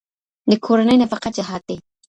د کورنۍ نفقه جهاد دی.